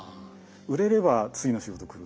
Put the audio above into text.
売れれば次の仕事来る。